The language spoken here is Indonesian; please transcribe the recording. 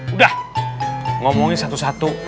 udah ngomongnya satu satu